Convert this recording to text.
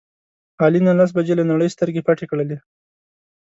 علي نن لس بجې له نړۍ سترګې پټې کړلې.